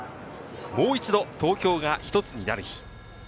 もう一度、東京がひとつになる日。